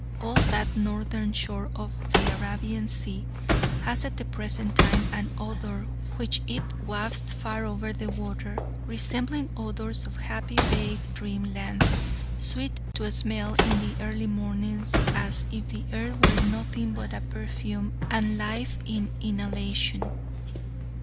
All that northern shore of the Arabian Sea has at the present time an odour which it wafts far over the water, resembling odours of happy vague dream lands, sweet to smell in the early mornings as if the earth were nothing but a perfume, and life an inhalation.